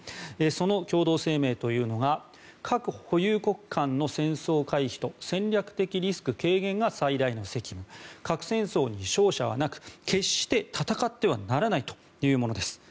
その共同声明というのが核保有国間の戦争回避と戦略的リスク軽減が最大の責務核戦争に勝者はなく決して戦ってはならないというものです。